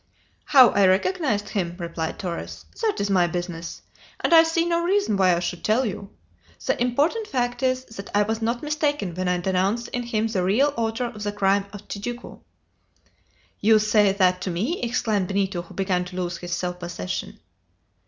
"How I recognized him?" replied Torres. "That is my business, and I see no reason why I should tell you. The important fact is, that I was not mistaken when I denounced in him the real author of the crime of Tijuco!" "You say that to me?" exclaimed Benito, who began to lose his self possession.